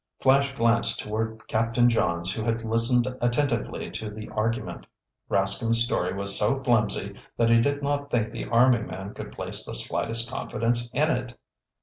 Flash glanced toward Captain Johns who had listened attentively to the argument. Rascomb's story was so flimsy that he did not think the army man could place the slightest confidence in it.